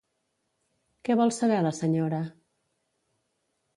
Què vol saber la senyora?